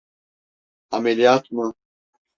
Ameliyat mı?